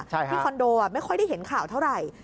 คอนโดไม่ค่อยได้เห็นข่าวเท่าไหร่